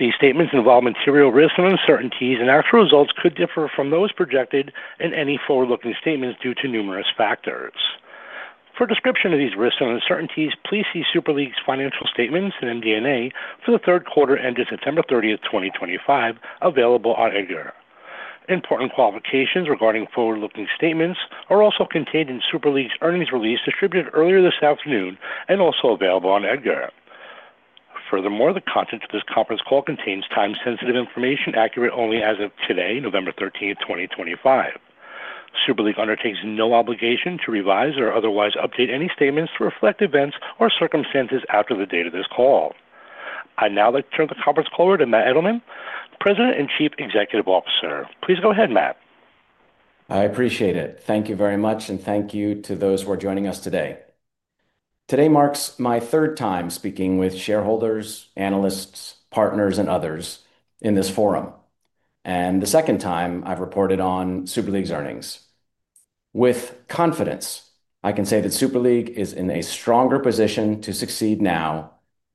These statements involve material risks and uncertainties, and actual results could differ from those projected in any forward-looking statements due to numerous factors. For a description of these risks and uncertainties, please see Super League's financial statements and MD&A for the third quarter ending September 30th, 2025, available on EDGAR. Important qualifications regarding forward-looking statements are also contained in Super League's earnings release distributed earlier this afternoon and also available on EDGAR. Furthermore, the content of this conference call contains time-sensitive information accurate only as of today, November 13th, 2025. Super League undertakes no obligation to revise or otherwise update any statements to reflect events or circumstances after the date of this call. I'd now like to turn the conference call over to Matt Edelman, President and Chief Executive Officer. Please go ahead, Matt. I appreciate it. Thank you very much, and thank you to those who are joining us today. Today marks my third time speaking with shareholders, analysts, partners, and others in this forum, and the second time I've reported on Super League's earnings. With confidence, I can say that Super League is in a stronger position to succeed now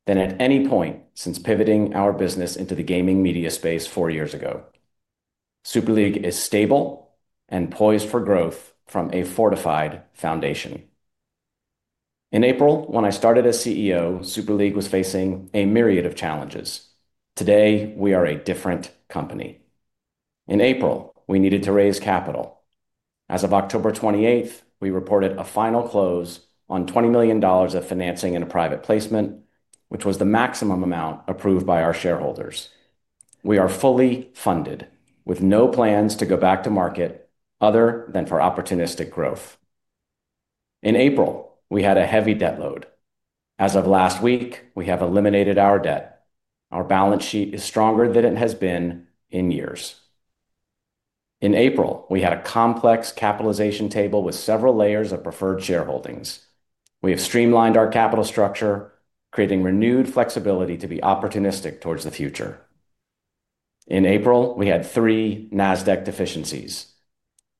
than at any point since pivoting our business into the gaming media space four years ago. Super League is stable and poised for growth from a fortified foundation. In April, when I started as CEO, Super League was facing a myriad of challenges. Today, we are a different company. In April, we needed to raise capital. As of October 28th, we reported a final close on $20 million of financing in a private placement, which was the maximum amount approved by our shareholders. We are fully funded, with no plans to go back to market other than for opportunistic growth. In April, we had a heavy debt load. As of last week, we have eliminated our debt. Our balance sheet is stronger than it has been in years. In April, we had a complex capitalization table with several layers of preferred shareholdings. We have streamlined our capital structure, creating renewed flexibility to be opportunistic towards the future. In April, we had three Nasdaq deficiencies.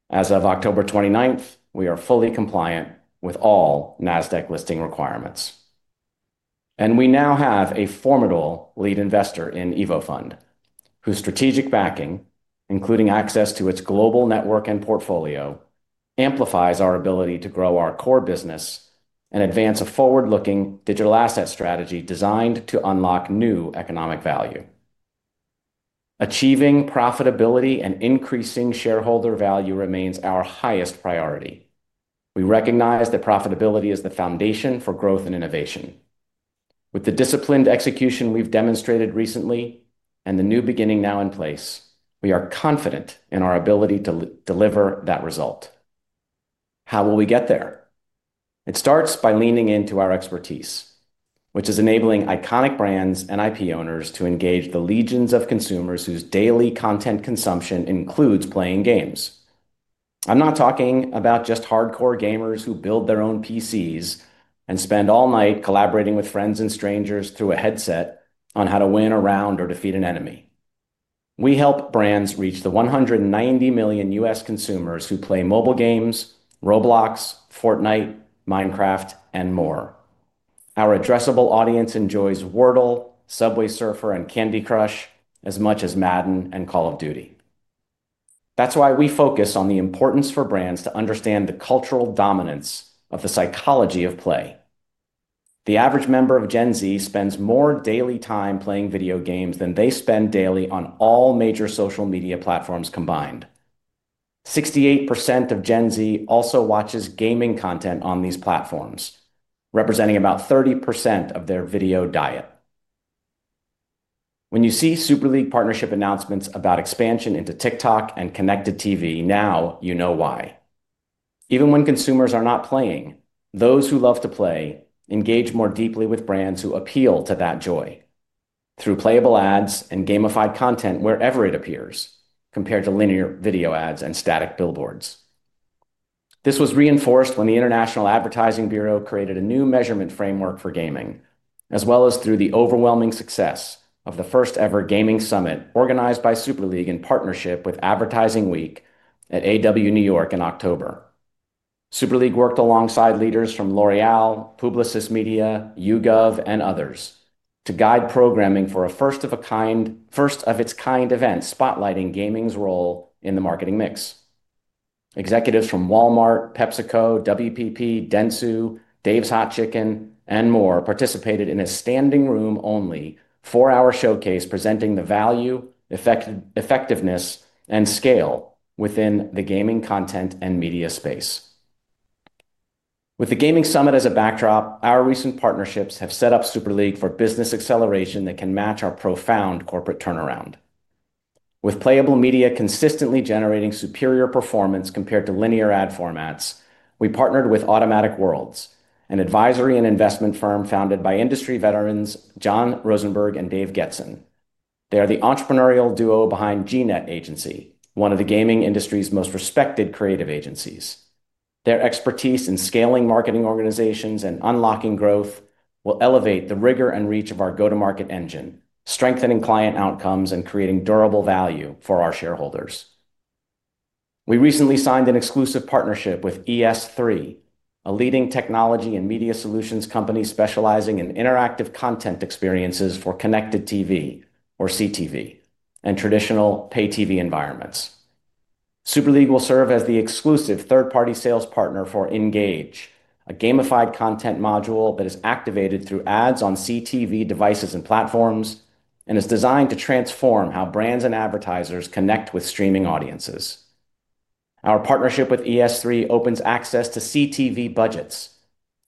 As of October 29th, we are fully compliant with all Nasdaq listing requirements. We now have a formidable lead investor in EVO FUND, whose strategic backing, including access to its global network and portfolio, amplifies our ability to grow our core business and advance a forward-looking digital asset strategy designed to unlock new economic value. Achieving profitability and increasing shareholder value remains our highest priority. We recognize that profitability is the foundation for growth and innovation. With the disciplined execution we have demonstrated recently and the new beginning now in place, we are confident in our ability to deliver that result. How will we get there? It starts by leaning into our expertise, which is enabling iconic brands and IP owners to engage the legions of consumers whose daily content consumption includes playing games. I am not talking about just hardcore gamers who build their own PCs and spend all night collaborating with friends and strangers through a headset on how to win a round or defeat an enemy. We help brands reach the 190 million U.S. consumers who play mobile games, Roblox, Fortnite, Minecraft, and more. Our addressable audience enjoys Wordle, Subway Surfers, and Candy Crush as much as Madden and Call of Duty. That's why we focus on the importance for brands to understand the cultural dominance of the psychology of play. The average member of Gen Z spends more daily time playing video games than they spend daily on all major social media platforms combined. 68% of Gen Z also watches gaming content on these platforms, representing about 30% of their video diet. When you see Super League partnership announcements about expansion into TikTok and connected TV, now you know why. Even when consumers are not playing, those who love to play engage more deeply with brands who appeal to that joy through playable ads and gamified content wherever it appears, compared to linear video ads and static billboards. This was reinforced when the International Advertising Bureau created a new measurement framework for gaming, as well as through the overwhelming success of the first-ever gaming summit organized by Super League in partnership with Advertising Week at AW New York in October. Super League worked alongside leaders from L'Oréal, Publicis Media, YouGov, and others to guide programming for a first-of-its-kind event spotlighting gaming's role in the marketing mix. Executives from Walmart, PepsiCo, WPP, Dentsu, Dave's Hot Chicken, and more participated in a standing-room-only four-hour showcase presenting the value, effectiveness, and scale within the gaming content and media space. With the gaming summit as a backdrop, our recent partnerships have set up Super League for business acceleration that can match our profound corporate turnaround. With playable media consistently generating superior performance compared to linear ad formats, we partnered with Automatic Worlds, an advisory and investment firm founded by industry veterans John Rosenberg and Dave Getzen. They are the entrepreneurial duo behind gnet Agency, one of the gaming industry's most respected creative agencies. Their expertise in scaling marketing organizations and unlocking growth will elevate the rigor and reach of our go-to-market engine, strengthening client outcomes and creating durable value for our shareholders. We recently signed an exclusive partnership with ES3, a leading technology and media solutions company specializing in interactive content experiences for connected TV, or CTV, and traditional pay-TV environments. Super League will serve as the exclusive third-party sales partner for Engage, a gamified content module that is activated through ads on CTV devices and platforms and is designed to transform how brands and advertisers connect with streaming audiences. Our partnership with ES3 opens access to CTV budgets,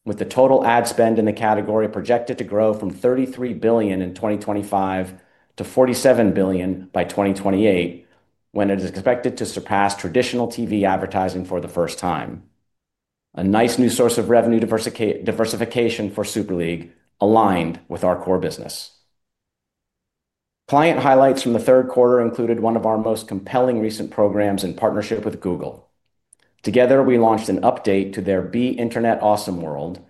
with the total ad spend in the category projected to grow from $33 billion in 2025-$47 billion by 2028, when it is expected to surpass traditional TV advertising for the first time. A nice new source of revenue diversification for Super League, aligned with our core business. Client highlights from the third quarter included one of our most compelling recent programs in partnership with Google. Together, we launched an update to their Be Internet Awesome World,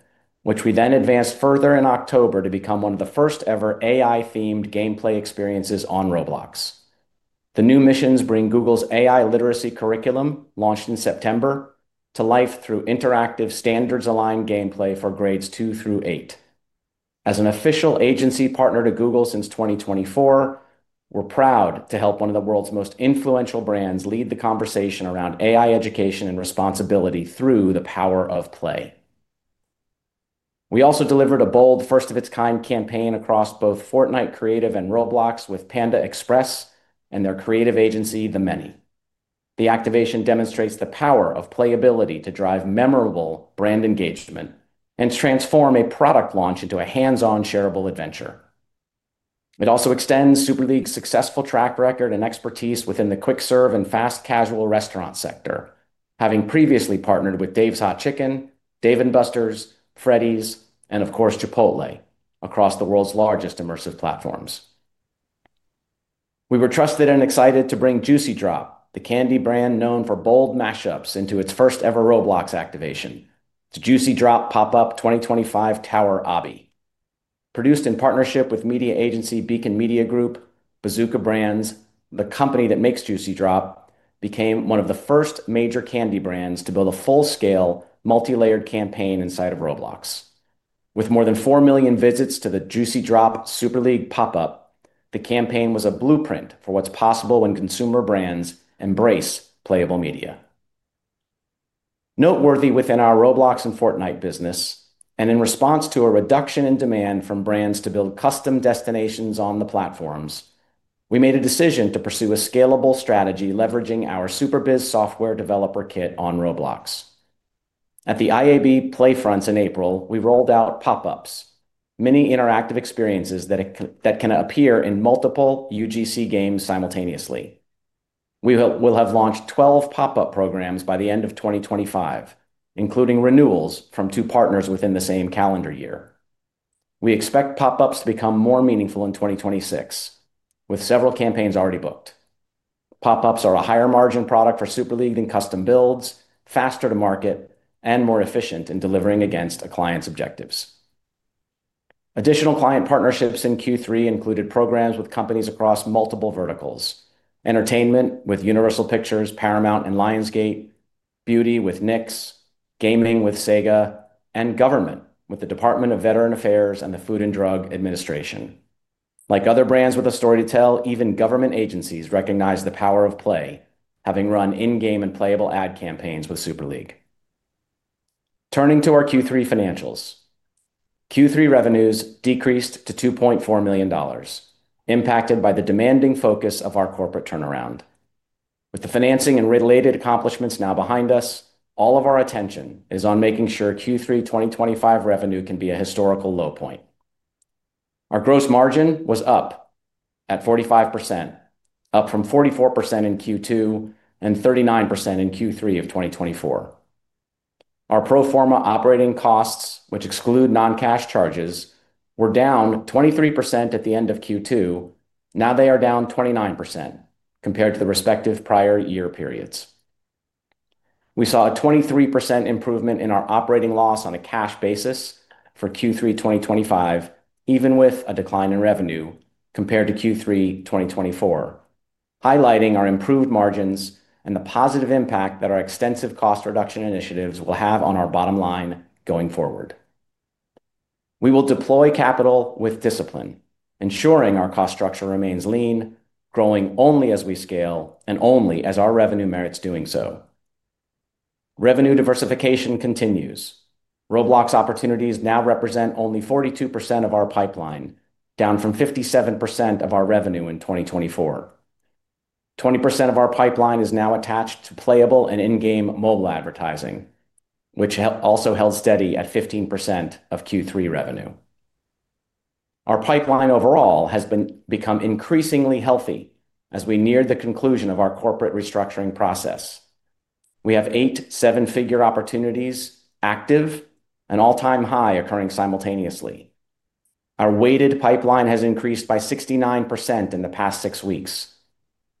which we then advanced further in October to become one of the first-ever AI-themed gameplay experiences on Roblox. The new missions bring Google's AI literacy curriculum, launched in September, to life through interactive standards-aligned gameplay for grades two through eight. As an official agency partner to Google since 2024, we're proud to help one of the world's most influential brands lead the conversation around AI education and responsibility through the power of play. We also delivered a bold first-of-its-kind campaign across both Fortnite Creative and Roblox with Panda Express and their creative agency, The Many. The activation demonstrates the power of playability to drive memorable brand engagement and transform a product launch into a hands-on shareable adventure. It also extends Super League's successful track record and expertise within the quick-serve and fast-casual restaurant sector, having previously partnered with Dave's Hot Chicken, Dave & Buster's, Freddy's, and of course, Chipotle across the world's largest immersive platforms. We were trusted and excited to bring Juicy Drop, the candy brand known for bold mash-ups, into its first-ever Roblox activation, the Juicy Drop Pop-Up 2025 Tower Obby. Produced in partnership with media agency Beacon Media Group, Bazooka Brands, the company that makes Juicy Drop, became one of the first major candy brands to build a full-scale, multi-layered campaign inside of Roblox. With more than four million visits to the Juicy Drop Super League Pop-Up, the campaign was a blueprint for what's possible when consumer brands embrace playable media. Noteworthy within our Roblox and Fortnite business, and in response to a reduction in demand from brands to build custom destinations on the platforms, we made a decision to pursue a scalable strategy leveraging our Super Biz Software Developer Kit on Roblox. At the IAB PlayFronts in April, we rolled out Pop-Ups, mini interactive experiences that can appear in multiple UGC games simultaneously. We will have launched 12 Pop-Up programs by the end of 2025, including renewals from two partners within the same calendar year. We expect Pop-Ups to become more meaningful in 2026, with several campaigns already booked. Pop-Ups are a higher-margin product for Super League than custom builds, faster to market, and more efficient in delivering against a client's objectives. Additional client partnerships in Q3 included programs with companies across multiple verticals: entertainment with Universal Pictures, Paramount, and Lionsgate, beauty with NYX, gaming with SEGA, and government with the Department of Veterans Affairs and the Food and Drug Administration. Like other brands with a story to tell, even government agencies recognize the power of play, having run in-game and playable ad campaigns with Super League. Turning to our Q3 financials, Q3 revenues decreased to $2.4 million, impacted by the demanding focus of our corporate turnaround. With the financing and related accomplishments now behind us, all of our attention is on making sure Q3 2025 revenue can be a historical low point. Our gross margin was up at 45%, up from 44% in Q2 and 39% in Q3 of 2024. Our pro forma operating costs, which exclude non-cash charges, were down 23% at the end of Q2. Now they are down 29% compared to the respective prior year periods. We saw a 23% improvement in our operating loss on a cash basis for Q3 2025, even with a decline in revenue compared to Q3 2024, highlighting our improved margins and the positive impact that our extensive cost reduction initiatives will have on our bottom line going forward. We will deploy capital with discipline, ensuring our cost structure remains lean, growing only as we scale and only as our revenue merits doing so. Revenue diversification continues. Roblox opportunities now represent only 42% of our pipeline, down from 57% of our revenue in 2024. 20% of our pipeline is now attached to playable and in-game mobile advertising, which also held steady at 15% of Q3 revenue. Our pipeline overall has become increasingly healthy as we near the conclusion of our corporate restructuring process. We have eight seven-figure opportunities active and all-time high occurring simultaneously. Our weighted pipeline has increased by 69% in the past six weeks.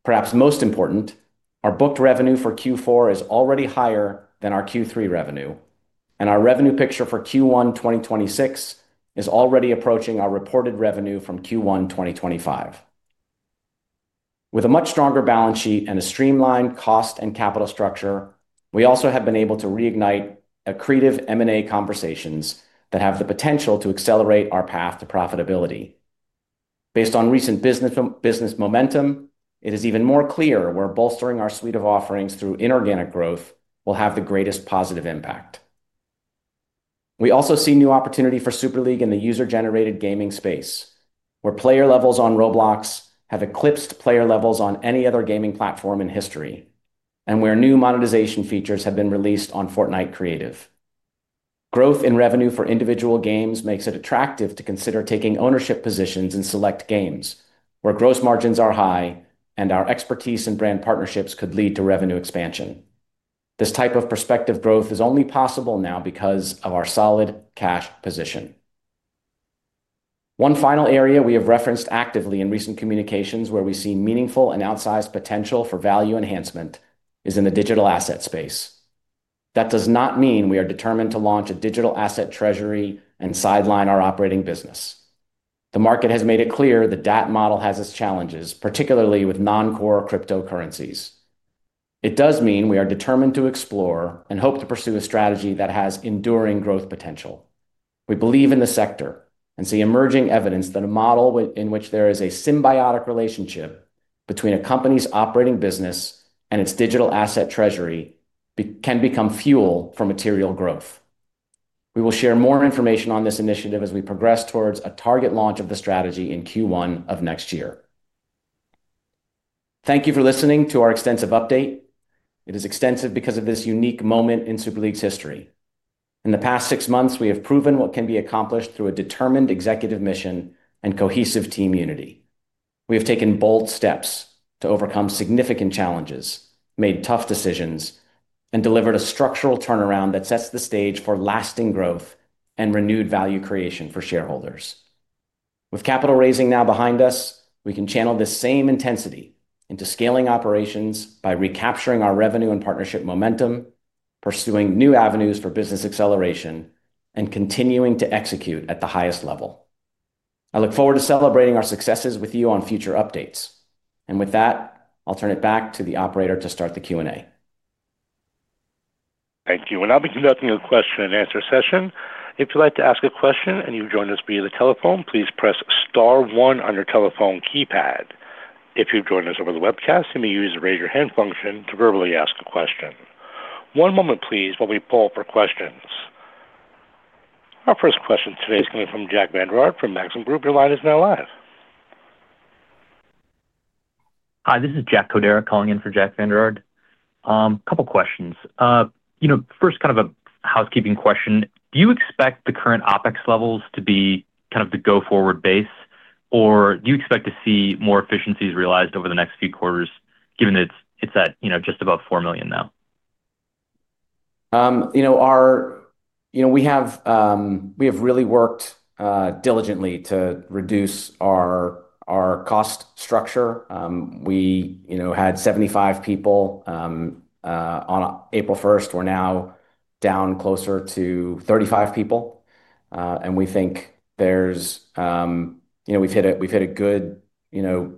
Perhaps most important, our booked revenue for Q4 is already higher than our Q3 revenue, and our revenue picture for Q1 2026 is already approaching our reported revenue from Q1 2025. With a much stronger balance sheet and a streamlined cost and capital structure, we also have been able to reignite creative M&A conversations that have the potential to accelerate our path to profitability. Based on recent business momentum, it is even more clear we're bolstering our suite of offerings through inorganic growth will have the greatest positive impact. We also see new opportunity for Super League in the user-generated gaming space, where player levels on Roblox have eclipsed player levels on any other gaming platform in history, and where new monetization features have been released on Fortnite Creative. Growth in revenue for individual games makes it attractive to consider taking ownership positions in select games where gross margins are high and our expertise and brand partnerships could lead to revenue expansion. This type of perspective growth is only possible now because of our solid cash position. One final area we have referenced actively in recent communications where we see meaningful and outsized potential for value enhancement is in the digital asset space. That does not mean we are determined to launch a digital asset treasury and sideline our operating business. The market has made it clear the DAT model has its challenges, particularly with non-core cryptocurrencies. It does mean we are determined to explore and hope to pursue a strategy that has enduring growth potential. We believe in the sector and see emerging evidence that a model in which there is a symbiotic relationship between a company's operating business and its digital asset treasury can become fuel for material growth. We will share more information on this initiative as we progress towards a target launch of the strategy in Q1 of next year. Thank you for listening to our extensive update. It is extensive because of this unique moment in Super League's history. In the past six months, we have proven what can be accomplished through a determined executive mission and cohesive team unity. We have taken bold steps to overcome significant challenges, made tough decisions, and delivered a structural turnaround that sets the stage for lasting growth and renewed value creation for shareholders. With capital raising now behind us, we can channel this same intensity into scaling operations by recapturing our revenue and partnership momentum, pursuing new avenues for business acceleration, and continuing to execute at the highest level. I look forward to celebrating our successes with you on future updates. With that, I will turn it back to the operator to start the Q&A. Thank you. Now we can go to your question-and-answer session. If you'd like to ask a question and you've joined us via the telephone, please press star one on your telephone keypad. If you've joined us over the webcast, you may use the raise your hand function to verbally ask a question. One moment, please, while we pull up our questions. Our first question today is coming from Jack Vander Aarde from Maxim Group. Your line is now live. Hi, this is Jack Kodera calling in for Jack Vander Aarde. A couple of questions. First, kind of a housekeeping question, do you expect the current OpEx levels to be kind of the go-forward base, or do you expect to see more efficiencies realized over the next few quarters, given that it's at just about $4 million now? We have really worked diligently to reduce our cost structure. We had 75 people on April 1st. We're now down closer to 35 people. We think we've hit a good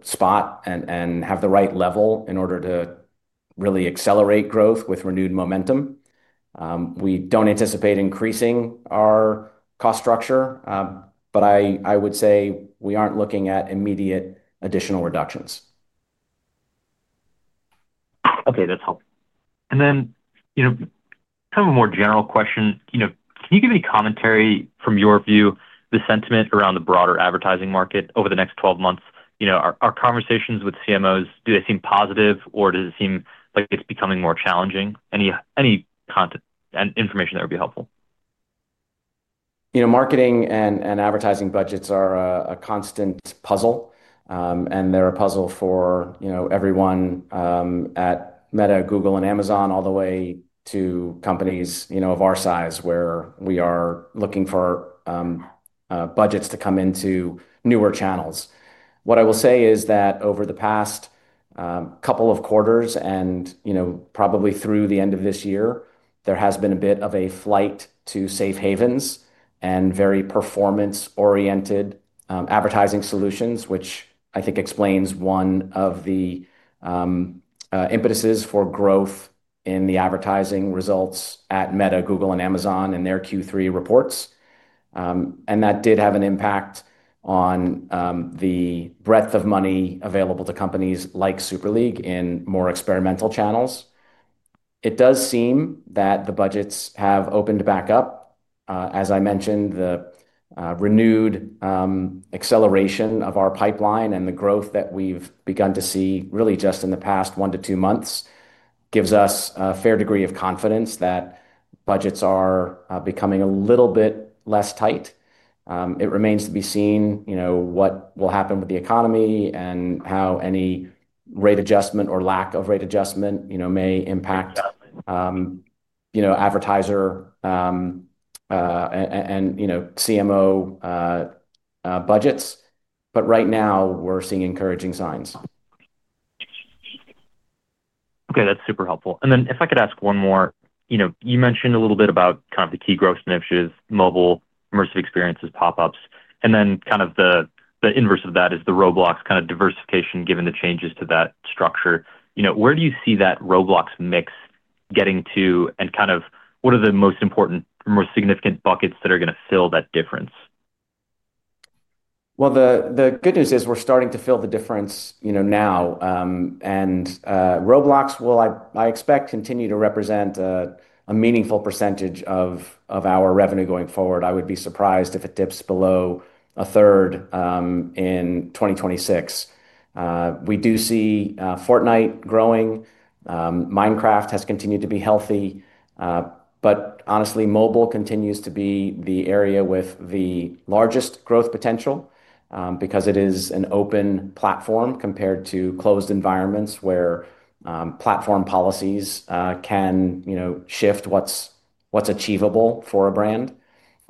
spot and have the right level in order to really accelerate growth with renewed momentum. We do not anticipate increasing our cost structure, but I would say we are not looking at immediate additional reductions. Okay, that's helpful. A more general question, can you give any commentary from your view, the sentiment around the broader advertising market over the next 12 months? Our conversations with CMOs, do they seem positive, or does it seem like it is becoming more challenging? Any information that would be helpful. Marketing and advertising budgets are a constant puzzle, and they are a puzzle for everyone at Meta, Google, and Amazon, all the way to companies of our size where we are looking for budgets to come into newer channels. What I will say is that over the past couple of quarters and probably through the end of this year, there has been a bit of a flight to safe havens and very performance-oriented advertising solutions, which I think explains one of the impetuses for growth in the advertising results at Meta, Google, and Amazon in their Q3 reports. That did have an impact on the breadth of money available to companies like Super League in more experimental channels. It does seem that the budgets have opened back up. As I mentioned, the renewed acceleration of our pipeline and the growth that we've begun to see really just in the past one to two months gives us a fair degree of confidence that budgets are becoming a little bit less tight. It remains to be seen what will happen with the economy and how any rate adjustment or lack of rate adjustment may impact advertiser and CMO budgets. Right now, we're seeing encouraging signs. Okay, that's super helpful. If I could ask one more, you mentioned a little bit about kind of the key growth snippets, mobile, immersive experiences, pop-ups. The inverse of that is the Roblox kind of diversification given the changes to that structure. Where do you see that Roblox mix getting to, and what are the most important, most significant buckets that are going to fill that difference? The good news is we're starting to fill the difference now. Roblox will, I expect, continue to represent a meaningful percentage of our revenue going forward. I would be surprised if it dips below a third in 2026. We do see Fortnite growing. Minecraft has continued to be healthy. Honestly, mobile continues to be the area with the largest growth potential because it is an open platform compared to closed environments where platform policies can shift what's achievable for a brand.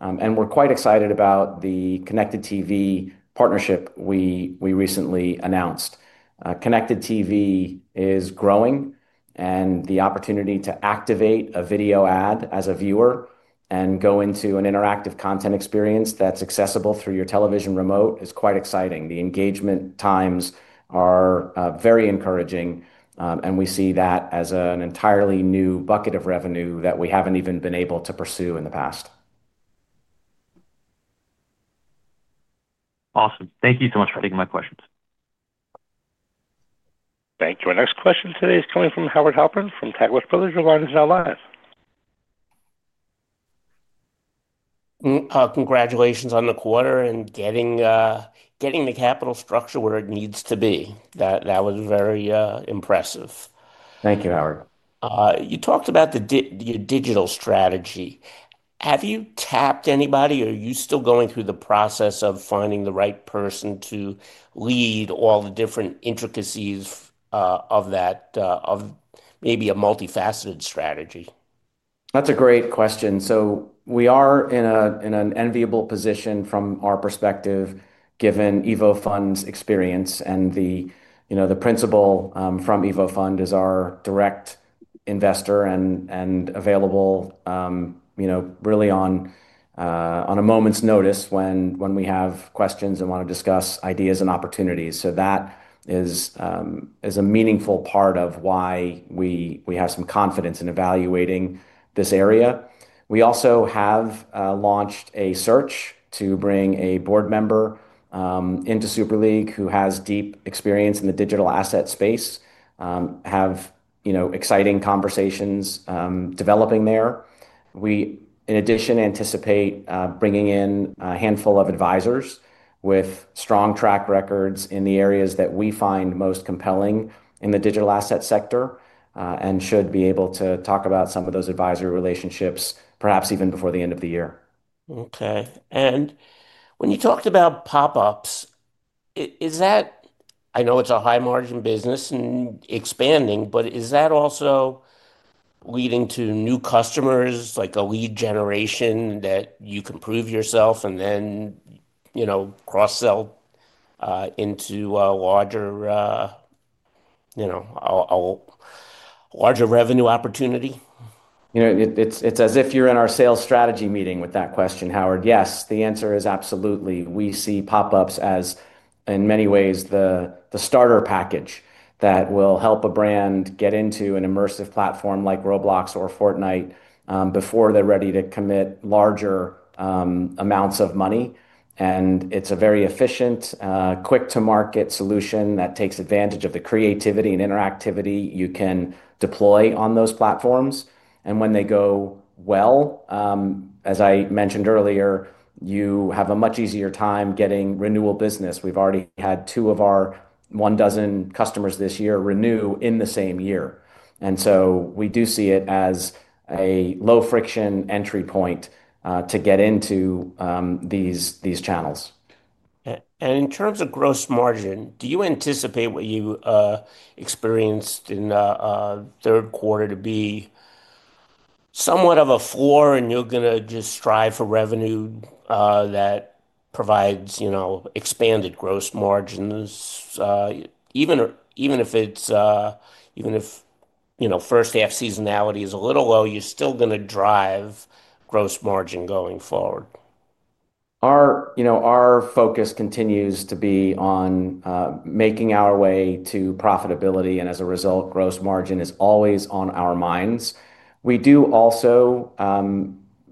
We are quite excited about the connected TV partnership we recently announced. Connected TV is growing, and the opportunity to activate a video ad as a viewer and go into an interactive content experience that's accessible through your television remote is quite exciting. The engagement times are very encouraging, and we see that as an entirely new bucket of revenue that we have not even been able to pursue in the past. Awesome. Thank you so much for taking my questions. Thank you. Our next question today is coming from Howard Halpern from Taglich Brothers. Your line is now live. Congratulations on the quarter and getting the capital structure where it needs to be. That was very impressive. Thank you, Howard. You talked about your digital strategy. Have you tapped anybody, or are you still going through the process of finding the right person to lead all the different intricacies of that, of maybe a multifaceted strategy? That's a great question. We are in an enviable position from our perspective, given EVO FUND's experience, and the principal from EVO FUND is our direct investor and available really on a moment's notice when we have questions and want to discuss ideas and opportunities. That is a meaningful part of why we have some confidence in evaluating this area. We also have launched a search to bring a board member into Super League who has deep experience in the digital asset space, have exciting conversations developing there. We, in addition, anticipate bringing in a handful of advisors with strong track records in the areas that we find most compelling in the digital asset sector and should be able to talk about some of those advisory relationships, perhaps even before the end of the year. Okay. When you talked about pop-ups, is that—I know it is a high-margin business and expanding, but is that also leading to new customers, like a lead generation that you can prove yourself and then cross-sell into a larger revenue opportunity? It is as if you are in our sales strategy meeting with that question, Howard. Yes, the answer is absolutely. We see pop-ups as, in many ways, the starter package that will help a brand get into an immersive platform like Roblox or Fortnite before they are ready to commit larger amounts of money. It is a very efficient, quick-to-market solution that takes advantage of the creativity and interactivity you can deploy on those platforms. When they go well, as I mentioned earlier, you have a much easier time getting renewal business. We have already had two of our one dozen customers this year renew in the same year. We do see it as a low-friction entry point to get into these channels. In terms of gross margin, do you anticipate what you experienced in third quarter to be somewhat of a floor and you are going to just strive for revenue that provides expanded gross margins? Even if first-half seasonality is a little low, you are still going to drive gross margin going forward. Our focus continues to be on making our way to profitability, and as a result, gross margin is always on our minds. We do also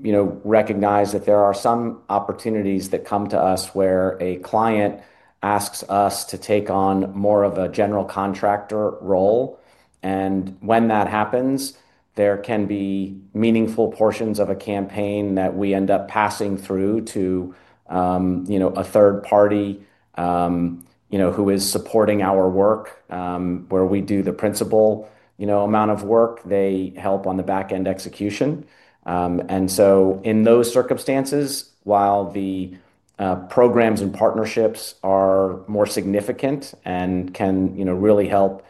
recognize that there are some opportunities that come to us where a client asks us to take on more of a general contractor role. When that happens, there can be meaningful portions of a campaign that we end up passing through to a third party who is supporting our work where we do the principal amount of work. They help on the back-end execution. In those circumstances, while the programs and partnerships are more significant and can really help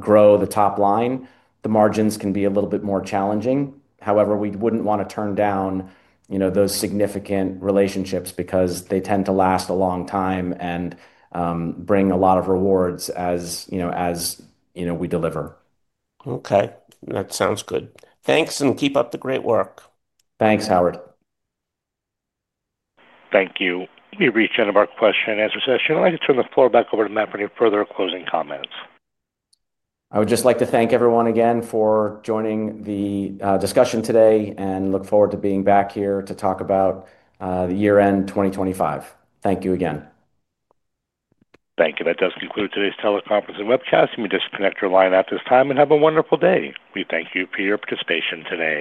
grow the top line, the margins can be a little bit more challenging. However, we would not want to turn down those significant relationships because they tend to last a long time and bring a lot of rewards as we deliver. Okay. That sounds good. Thanks, and keep up the great work. Thanks, Howard. Thank you. We reached the end of our question-and-answer session. I'd like to turn the floor back over to Matt for any further closing comments. I would just like to thank everyone again for joining the discussion today and look forward to being back here to talk about the year-end 2025. Thank you again. Thank you. That does conclude today's teleconference and webcast. You may disconnect your line at this time and have a wonderful day. We thank you for your participation today.